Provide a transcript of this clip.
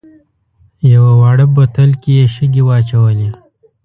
یوه واړه بوتل کې یې شګې واچولې.